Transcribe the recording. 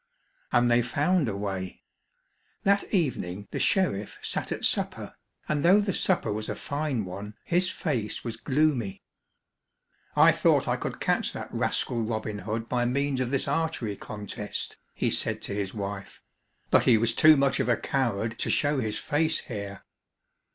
And they found a way. That evening the sheriff sat at supper, and though the supper was a fine one, his face was gloomy. "I thought I could catch that rascal Robin Hood by means of this archery contest," he said to his wife, "but he was too much of a coward to show his face here."